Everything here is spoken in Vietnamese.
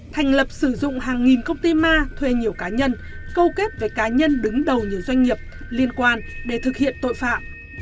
thành lập sử dụng hàng nghìn công ty ma thuê nhiều cá nhân câu kết với cá nhân đứng đầu nhiều doanh nghiệp liên quan để thực hiện tội phạm